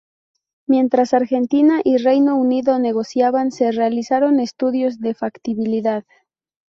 Mientras Argentina y Reino Unido negociaban, se realizaron estudios de factibilidad.